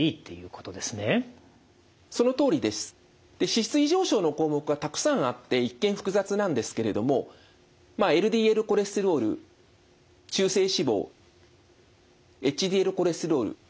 脂質異常症の項目がたくさんあって一見複雑なんですけれどもＬＤＬコレステロール中性脂肪ＨＤＬコレステロール